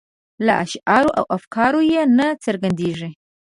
له اشعارو او افکارو یې نه څرګندیږي.